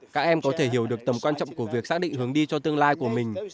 các em có thể hiểu được tầm quan trọng của việc xác định hướng đi cho tương lai của mình